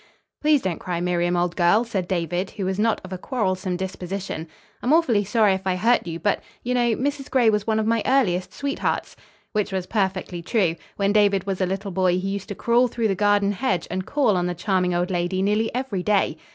"Please don't cry, Miriam, old girl," said David, who was not of a quarrelsome disposition. "I'm awfully sorry if I hurt you, but, you know, Mrs. Gray was one of my earliest sweethearts." Which was perfectly true. When David was a little boy he used to crawl through the garden hedge and call on the charming old lady nearly every day.